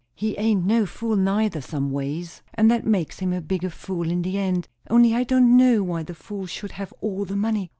He ain't no fool neither, some ways; and that makes him a bigger fool in the end; only I don't know why the fools should have all the money."